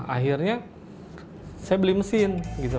akhirnya saya beli mesin